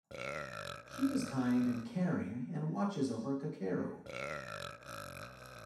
She is kind and caring and watches over Kakeru.